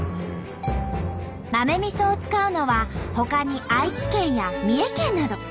豆みそを使うのはほかに愛知県や三重県など。